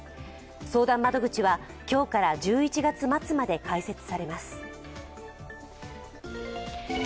相談窓口は今日から１１月末まで開設されます。